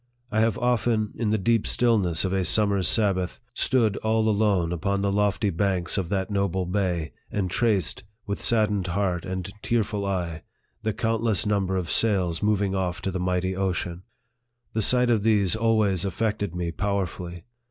I have often, in the deep stillness of a summer's Sabbath, stood all alone upon the lofty banks of that noble bay, and traced, with saddened heart and tearful eye, the countless number of sails moving off to the mighty ocean. The sight of these always affected me powerfully.